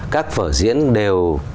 các vở diễn đều